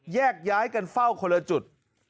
แยกย้ายกันเฝ้าคนเจ้าหน้าจุด